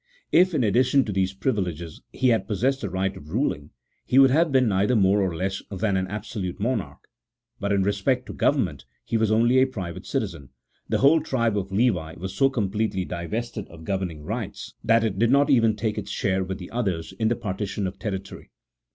If, in addition to these privileges, he had possessed the right of ruling, he would have been neither more nor less than an absolute monarch ; but, in respect to govern ment, he was only a private citizen: the whole tribe of Levi was so completely divested of governing rights that it did not even take its share with the others in the partition of territory.